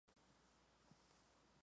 Florece de agosto a noviembre.